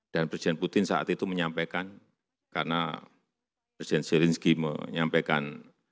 dan presiden putin saat itu menyampaikan karena presiden zelensky menyampaikan